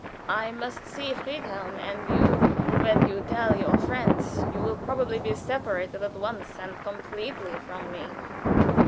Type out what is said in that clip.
I must see Friedhelm, and you when you tell your friends, you will probably be separated at once and completely from me."